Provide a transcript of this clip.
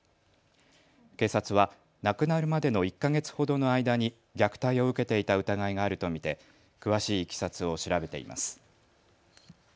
警察は亡くなるまでの１か月ほどの間に虐待を受けていた疑いがあると見て詳しいいきさつを調べています。